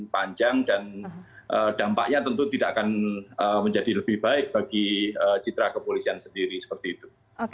panjang dan dampaknya tentu tidak akan menjadi lebih baik bagi citra kepolisian sendiri seperti itu